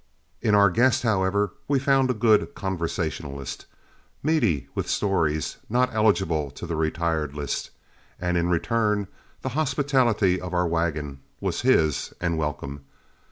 In our guest, however, we found a good conversationalist, meaty with stories not eligible to the retired list; and in return, the hospitality of our wagon was his and welcome.